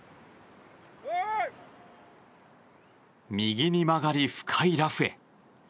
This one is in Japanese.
右に曲がり深いラフへ。